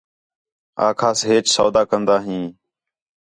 آکھاس ہیچ سودا کندا ہیں